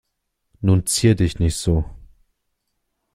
Nun zier dich nicht so.